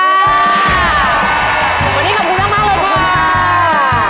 วันนี้ขอบคุณมากเลยค่ะ